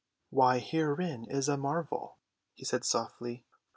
"Why, herein is a marvel," he said softly.